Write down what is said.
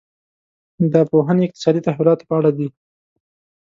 دا پوهنې اقتصادي تحولاتو په اړه دي.